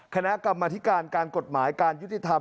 คณะกรรมธิการการกฎหมายการยุติธรรม